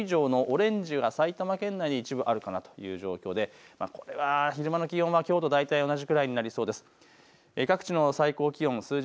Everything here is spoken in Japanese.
これは５度から１０度の間、１０度以上のオレンジは埼玉県内で一部あるかなという状況でこれは昼間の気温はきょうと大体同じくらいになりそうです。